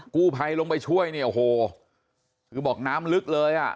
กู้ภัยลงไปช่วยเนี่ยโอ้โหคือบอกน้ำลึกเลยอ่ะ